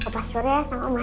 pak suria sang oma sarah